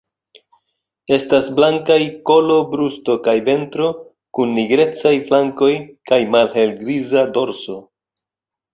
Estas blankaj kolo, brusto kaj ventro kun nigrecaj flankoj kaj malhelgriza dorso.